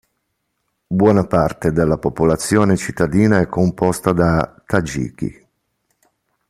Buona parte della popolazione cittadina è composta da Tagiki.